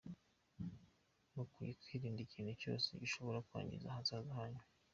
Mukwiye kwirinda ikintu cyose gishobora kwangiza ahazaza hanyu."